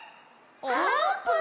あーぷん！